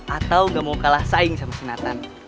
atau gak mau kalah saing sama sunathan